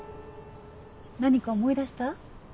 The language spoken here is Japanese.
何か思い出した？